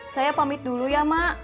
saya pamit dulu ya mak